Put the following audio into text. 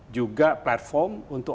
juga platform untuk